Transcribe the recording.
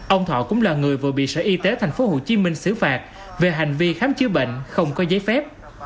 ông thọ cũng là người vừa bị sở y tế tp hcm xử phạt về hành vi khám chữa bệnh không có giấy phép